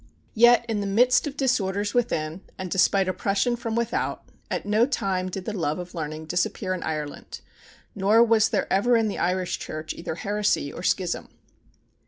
Yet, in the midst of disorders within, and despite oppression from without, at no time did the love of learning disappear in Ireland; nor was there ever in the Irish church either heresy or schism.